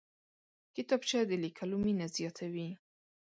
کتابچه د لیکلو مینه زیاتوي